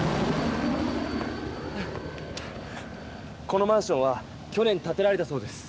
このマンションは去年たてられたそうです。